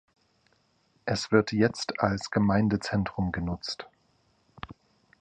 Es wird jetzt als Gemeindezentrum genutzt.